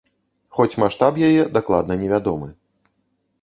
Хоць маштаб яе дакладна невядомы.